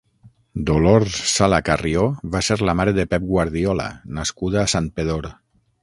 Dolors Sala Carrió va ser la mare de Pep Guardiola, nascuda a Santpedor.